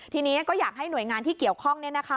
ทีนี้ก็อยากให้หน่วยงานที่เกี่ยวข้องเนี่ยนะคะ